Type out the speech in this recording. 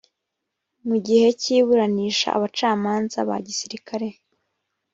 mu gihe cy iburanisha abacamanza ba gisirikare